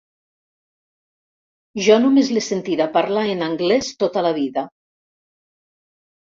Jo només l'he sentida parlar en anglès tota la vida.